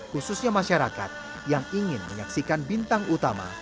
khususnya masyarakat yang ingin menyaksikan bintang utama